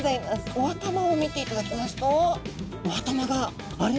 お頭を見ていただきますとお頭があれ？